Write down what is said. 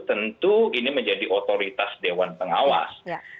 tentu ini menjadi otoritas dewan pengawas